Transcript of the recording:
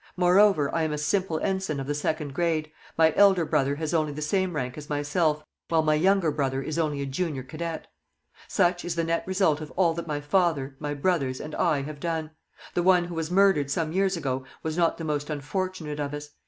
Moreover, I am a simple ensign of the second grade; my elder brother has only the same rank as myself, while my younger brother is only a junior cadet. Such is the net result of all that my father, my brothers, and I have done. The one who was murdered some years ago was not the most unfortunate of us.